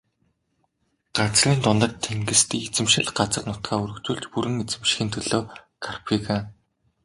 Газрын дундад тэнгист эзэмшил газар нутгаа өргөжүүлж бүрэн эзэмшихийн төлөө Карфаген.